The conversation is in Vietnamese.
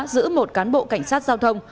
giữ một cán bộ cảnh sát giao thông